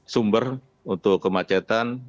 sumber untuk kemacetan